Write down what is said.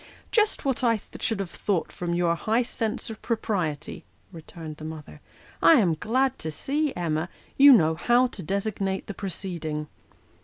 " Just what I should have thought from your high sense of pro priety," returned the mother. " I am glad to see, Emma, you know how to designate the proceeding."